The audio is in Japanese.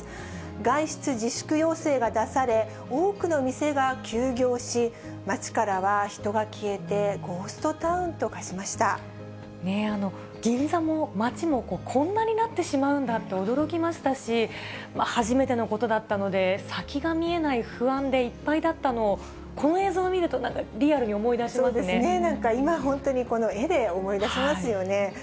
外出自粛要請が出され、多くの店が休業し、街からは人が消えて、銀座も、街もこんなになってしまうんだって、驚きましたし、初めてのことだったので、先が見えない不安でいっぱいだったのを、この映像を見ると、そうですね、なんか今、本当にこの絵で思い出しますよね。